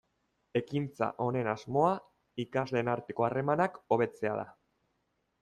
Ekintza honen asmoa ikasleen arteko harremanak hobetzea da.